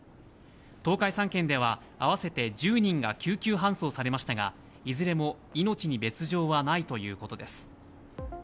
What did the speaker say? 東海３県では、合わせて１０人が救急搬送されましたが、いずれも命に別状はないということです。